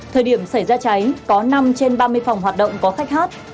thời điểm xảy ra cháy có năm trên ba mươi phòng hoạt động có khách hát